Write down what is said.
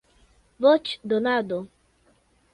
voĉdonado